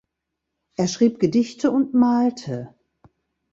Er schrieb Gedichte und malte.